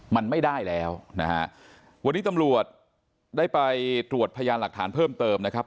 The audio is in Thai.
มันไม่ได้แล้วนะฮะวันนี้ตำรวจได้ไปตรวจพยานหลักฐานเพิ่มเติมนะครับ